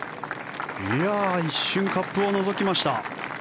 一瞬カップをのぞきました。